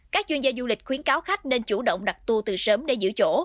các chuyên gia du lịch khuyến cáo khách nên chủ động đặt tour từ sớm để giữ chỗ